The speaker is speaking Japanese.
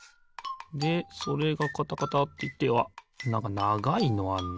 でそれがカタカタっていってあっなんかながいのあんな。